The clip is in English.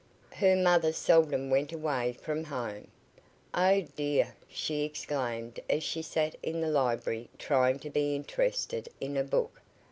Her mother seldom went away from home. "Oh, dear!" she exclaimed as she sat in the library trying to be interested in a book.